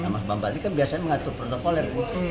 mas bambal ini kan biasanya mengatur protokol ya